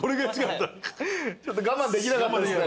ちょっと我慢できなかったですね。